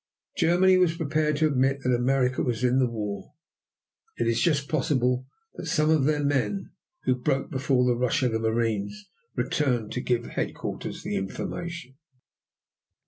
Germany was prepared to admit that America was in the war. It is just possible that some of their men who broke before the rush of the marines returned to give headquarters the information.